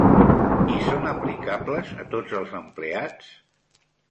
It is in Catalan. I són aplicables a tots els empleats?